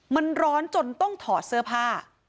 มันร้อนจนต้องถอดเสื้อผ้า